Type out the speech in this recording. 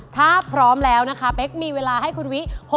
ถ้าพร้อมแล้วนะคะเป๊กมีเวลาให้คุณวิ